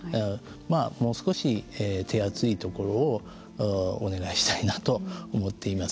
もう少し手厚いところをお願いしたいなと思っています。